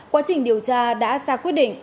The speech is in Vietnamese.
quá trình điều tra đã ra quyết định